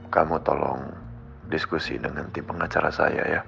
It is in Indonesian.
kamu tolong diskusi dengan tim pengacara saya ya